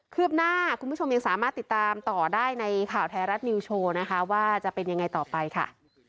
ืบหน้าคุณผู้ชมยังสามารถติดตามต่อได้ในข่าวไทยรัฐนิวโชว์นะคะว่าจะเป็นยังไงต่อไปค่ะ